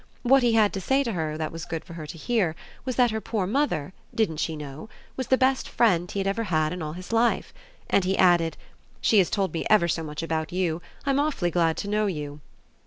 What he had to say to her that was good for her to hear was that her poor mother (didn't she know?) was the best friend he had ever had in all his life. And he added: "She has told me ever so much about you. I'm awfully glad to know you."